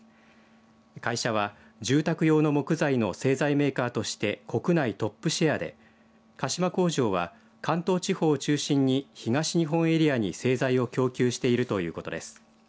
会社は住宅用の木材の製材メーカーとして国内トップシェアで鹿島工場は関東地方を中心に東日本エリアに製材を供給しているということです。